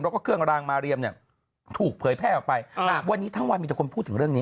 แล้วก็เครื่องรางมาเรียมเนี่ยถูกเผยแพร่ออกไปวันนี้ทั้งวันมีแต่คนพูดถึงเรื่องนี้